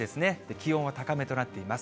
気温は高めとなっています。